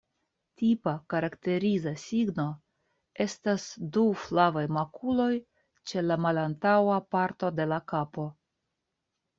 Tipa, karakteriza signo estas du flavaj makuloj ĉe la malantaŭa parto de la kapo.